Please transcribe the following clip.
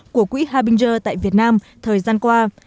của quỹ harbinger tại việt nam thời gian qua